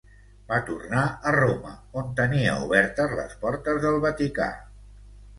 Va tornar a Roma on tenia obertes les portes del Vaticà.